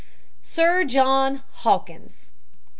Sir John Hawkins.